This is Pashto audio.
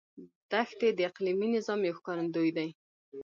دښتې د اقلیمي نظام یو ښکارندوی دی.